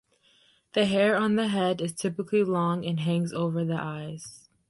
The hair on the head is typically long and hangs over the eyes.